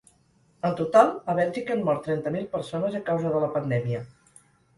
En total, a Bèlgica han mort trenta mil persones a causa de la pandèmia.